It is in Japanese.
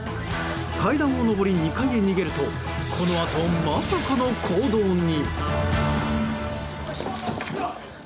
階段を上り２階へ逃げるとこのあと、まさかの行動に。